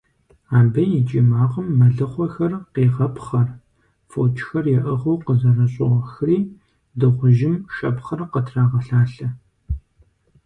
Абы и кӀий макъым мэлыхъуэхэр къегъэпхъэр, фочхэр яӀыгъыу къызэрыщӀохри дыгъужьым шэпхъыр къытрагъэлъалъэ.